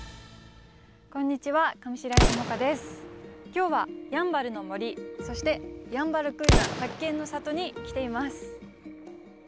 今日はやんばるの森そしてヤンバルクイナ発見の里に来ています。